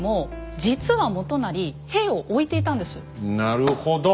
なるほど！